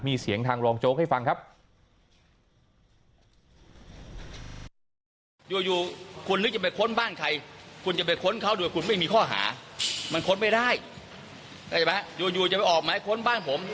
มีเสียงทางรองโจ๊กให้ฟังครับ